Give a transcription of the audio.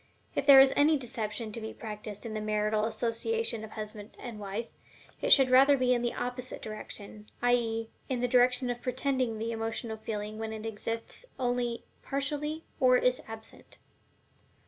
If there is any deception to be practiced in the marital association of husband and wife, it should rather be in the opposite direction, i. e., in the direction of pretending the emotional feeling when it exists only partially or is absent.